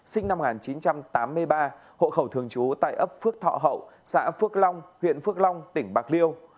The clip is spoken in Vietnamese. sinh năm một nghìn chín trăm tám mươi ba hộ khẩu thường trú tại ấp phước thọ hậu xã phước long huyện phước long tỉnh bạc liêu